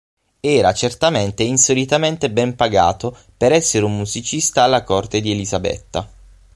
Era certamente insolitamente ben pagato per essere un musicista alla corte di Elisabetta.